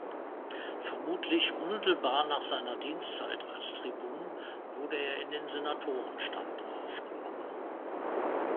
Vermutlich unmittelbar nach seiner Dienstzeit als Tribun wurde er in den Senatorenstand aufgenommen.